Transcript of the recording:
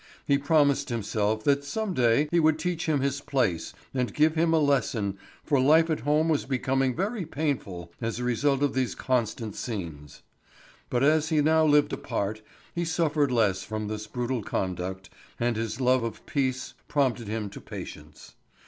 He promised himself that some day he would teach him his place and give him a lesson, for life at home was becoming very painful as a result of these constant scenes. But as he now lived apart he suffered less from this brutal conduct, and his love of peace prompted him to patience.